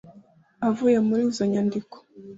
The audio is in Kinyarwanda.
avuye muri izo nyandiko